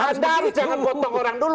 anda harus jangan memotong orang dulu